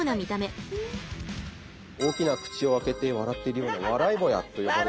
大きな口を開けて笑ってるようなワライボヤと呼ばれている。